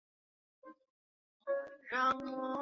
壳体的结节通常稀疏或不存在。